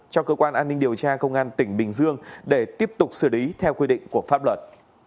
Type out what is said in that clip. cho cơ quan an ninh điều tra công an tỉnh bình dương để tiếp tục xử lý theo quy định của pháp luật